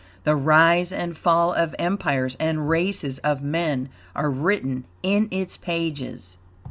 The rise and fall of empires and races of men are written in its pages.